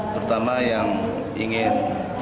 terutama yang ingin